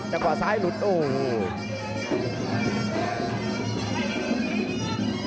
ขวาซ้ายหลุดโอ้โห